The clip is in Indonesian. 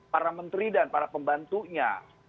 para menteri dan para pembantunya